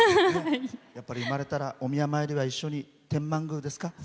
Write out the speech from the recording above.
やっぱり生まれたらお宮参りは一緒に天満宮ですか？